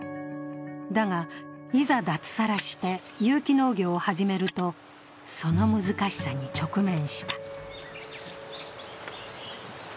だが、いざ脱サラして有機農業を始めると、その難しさに直面した。